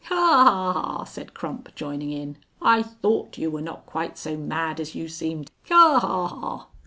"Ha, ha, ha!" said Crump, joining in. "I thought you were not quite so mad as you seemed. Ha, ha, ha!"